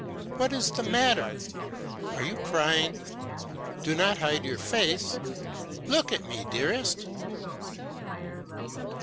What is the matter? Are you crying? Do not hide your face! Look at me, dearest!"